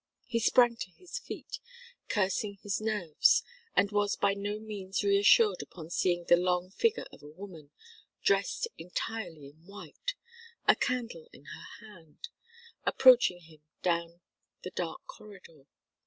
He sprang to his feet, cursing his nerves, and was by no means reassured upon seeing the long figure of a woman, dressed entirely in white, a candle in her hand, approaching him down the dark corridor.